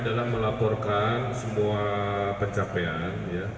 adalah melaporkan semua pencapaian